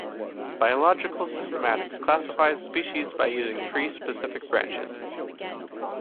Biological systematics classifies species by using three specific branches.